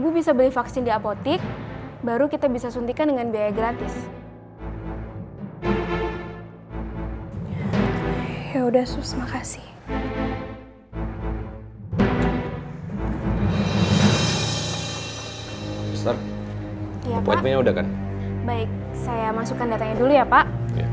baik saya masukkan datanya dulu ya pak